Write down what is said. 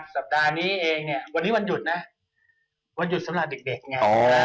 สัปดาห์นี้เองเนี่ยวันนี้วันหยุดนะวันหยุดสำหรับเด็กไง